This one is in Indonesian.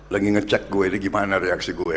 lagi ngecek gue ini gimana reaksi gue